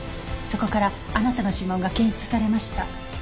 そこからあなたの指紋が検出されました。